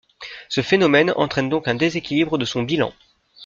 Ce phénomène entraîne donc un déséquilibre de son bilan.